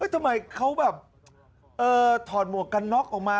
เอ๊ะทำไมเขาแบบเอ่อถอดหมวกกันน็อคออกมา